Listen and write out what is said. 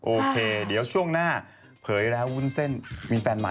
โอเคเดี๋ยวช่วงหน้าเผยแล้ววุ้นเส้นมีแฟนใหม่